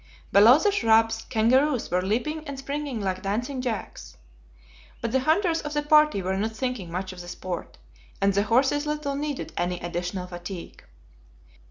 Below the shrubs, kangaroos were leaping and springing like dancing jacks. But the hunters of the party were not thinking much of the sport, and the horses little needed any additional fatigue.